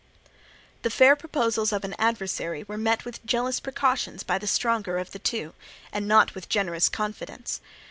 The fair proposals of an adversary were met with jealous precautions by the stronger of the two, and not with a generous confidence.